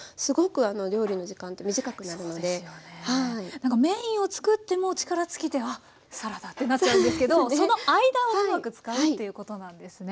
なんかメインを作ってもう力尽きてあっサラダってなっちゃうんですけどその間をうまく使うっていうことなんですね。